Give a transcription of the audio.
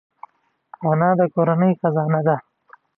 انا د کورنۍ خزانه ده